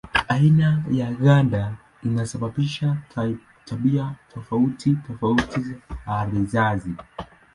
Aina ya ganda inasababisha tabia tofauti tofauti za risasi.